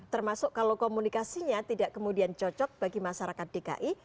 termasuk kalau komunikasinya tidak kemudian cocok bagi masyarakat dki